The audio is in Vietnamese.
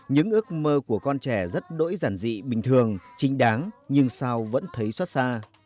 những ước mơ của con trẻ rất đỗi giản dị bình thường chính đáng nhưng sao vẫn thấy xót xa